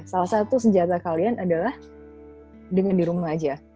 salah satu senjata kalian adalah dengan di rumah aja